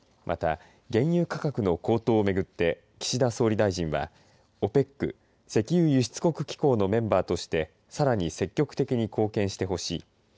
また、原油価格の高騰をめぐって岸田総理大臣はＯＰＥＣ、石油輸出国機構のメンバーとして、さらに積極的に貢献してほしい。